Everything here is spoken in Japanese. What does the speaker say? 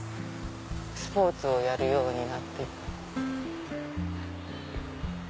スポーツをやるようになってる。